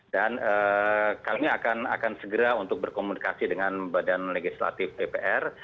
dan kami akan segera untuk berkomunikasi dengan badan legislatif bpr